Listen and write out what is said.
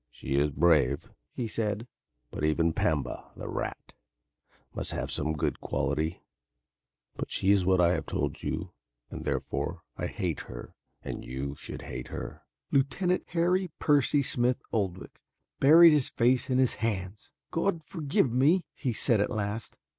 "She is brave," he said, "but even Pamba, the rat, must have some good quality, but she is what I have told you and therefore I hate her and you should hate her." Lieutenant Harold Percy Smith Oldwick buried his face in his hands. "God forgive me," he said at last.